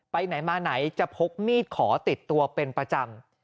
ไปไหนมาไหนจะพกมีดขอติดตัวเป็นประจำ